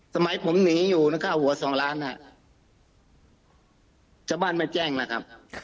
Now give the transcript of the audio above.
สมัยผมหนีอยู่นะครับหัวสองล้านน่ะชาวบ้านไม่แจ้งแล้วครับ